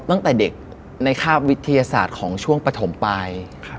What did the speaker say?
ตั้งแต่เด็กในคาบวิทยาศาสตร์ของช่วงปฐมปลาย